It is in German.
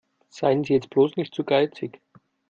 Seien Sie jetzt bloß nicht zu geizig.